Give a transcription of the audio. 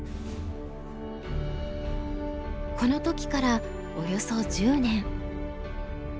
この時からおよそ１０年。